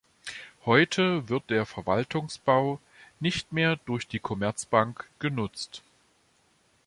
Heute wird der Verwaltungsbau nicht mehr durch die Commerzbank genutzt.